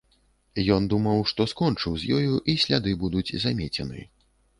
Ён думаў, што скончыў з ёю і сляды будуць замецены.